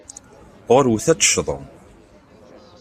Ɣurwet ad tecḍem.